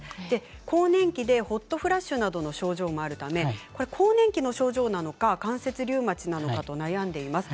更年期でホットフラッシュなどの症状があるため更年期の症状なのか関節リウマチなのか悩んでいます。